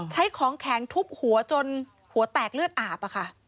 ใช้ของแข็งทุบหัวจนหัวแตกเลือดอาบอะค่ะ